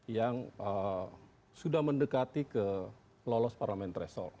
yang sudah mendekati ke lolos parlamen tresor